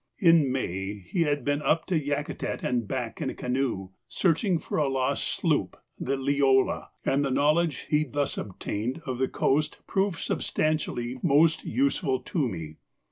In May he had been up to Yakutat and back in a canoe, searching for a lost sloop, the 'Leola,' and the knowledge he thus obtained of the coast proved subsequently most useful to me.